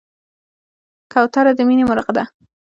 کوتره د مینې مرغه ده.